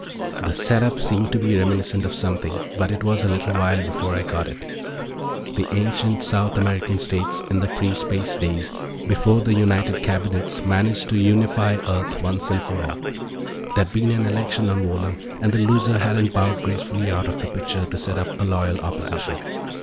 The setup seemed to be reminiscent of something, but it was a little while before I got it: the ancient South American states, in the pre Space days, before the United Cabinets managed to unify Earth once and for all. There'd been an election on Wohlen and the loser hadn't bowed gracefully out of the picture to set up a Loyal Opposition.